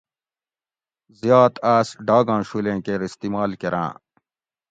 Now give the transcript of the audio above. زیات آس ڈاگاں شولیں کیر استعمال کراۤں